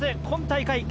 今大会